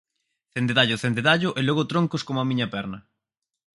Cendedallo, cendedallo, e logo troncos como a miña perna.